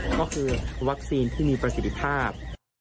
ก็คือวัคซีนที่มีประสิทธิภาพ